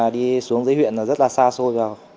đi xuống dưới huyện rất là xa xôi